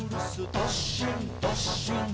どっしんどっしん」